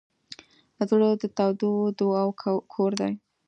زړه د تودو دعاوو کور دی.